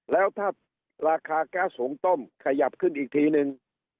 แล้วถ้าราคาแก๊สหุงต้มขยับขึ้นอีกทีนึง